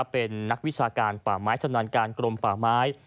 เป็นนักวิชาการป่าไม้ชำนาญการกรมป่าไม้